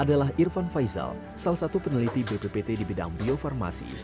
adalah irfan faizal salah satu peneliti bppt di bidang bio farmasi